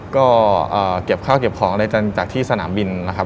ก็เก็บข้าวอะไรจนจากที่สนามบิลนะครับ